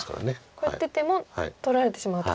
こうやってても取られてしまうと。